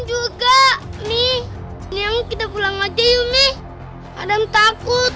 juga nih ini yang kita pulang aja yuk nih kadang takut